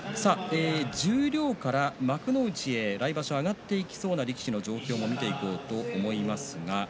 十両から幕内へ来場所上がっていきそうな力士の状況を見ていこうと思います。